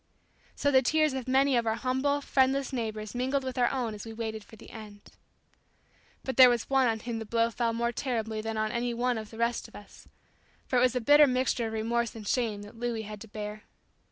So the tears of many of our humble, friendless neighbors mingled with our own as we waited for the end. But there was one on whom the blow fell more terribly than on any one of the rest of us, for it was a bitter mixture of remorse and shame that Louis had to bear.